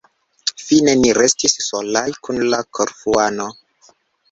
Fine ni restis solaj, kun la Korfuano.